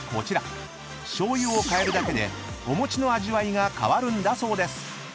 ［醤油を変えるだけでおもちの味わいが変わるんだそうです］